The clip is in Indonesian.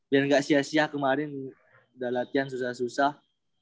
biar nggak sia sia kemarin udah latihan susah susah